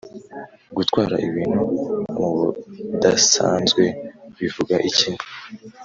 gutwara ibintu mubudasanzwe bivuga iki